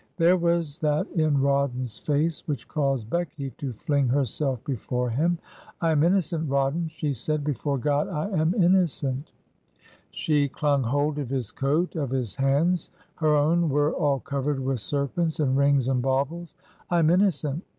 ... There was that in Rawdon's face which caused Becky to fling herself before him. ' I am innocent, Rawdon,' she said, ' before God I am innocent 1' She clung hold of his coat, of his hands ; her own were all covered with serpents, and rings, and baubles. 'I am innocent.